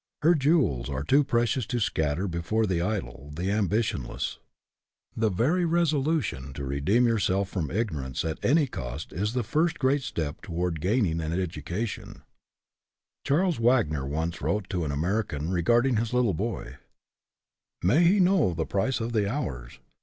Her jewels are too precious to scatter before the idle, the ambi tionless. The very resolution to redeem yourself from ignorance at any cost is the first great step toward gaining an education. Charles Wagner once wrote to an American EDUCATION BY ABSORPTION 41 regarding his little boy, " May he know the price of the hours.